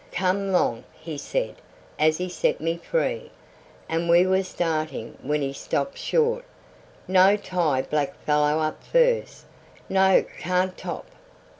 "Come 'long," he said as he set me free, and we were starting when he stopped short: "No; tie black fellow up firs'. No, can't 'top."